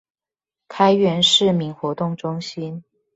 開元市民活動中心